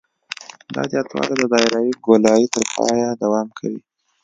دا زیاتوالی د دایروي ګولایي تر پایه دوام کوي